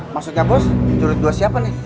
maksudnya bos curut dua siapa nih